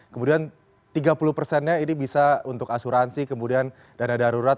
kemudian tiga puluh persennya ini bisa untuk asuransi kemudian dana darurat